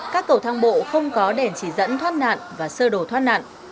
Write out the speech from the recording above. các cầu thang bộ không có đèn chỉ dẫn thoát nạn và sơ đồ thoát nạn